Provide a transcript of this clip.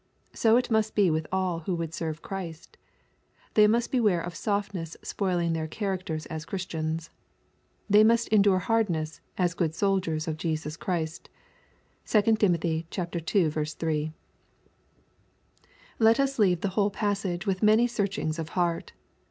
So must it be with all who would serve Christ They must beware of soft ness spoiling their characters as Christians. They must endure hardness, as good soldiers of Jesus Christ. (2 Tim. ii. 3.) Let us leave the whole passage with many searchings of heart.